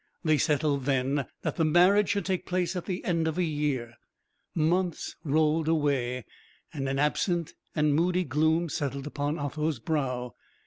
They settled, then, that the marriage should take place at the end of a year. Months rolled away, and an absent and moody gloom settled upon Otho's brow.